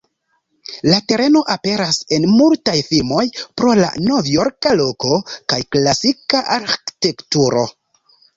La tereno aperas en multaj filmoj, pro la novjorka loko kaj la klasika arĥitekturo.